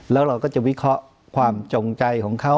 แล้วเราก็จะวิเคราะห์ความจงใจของเขา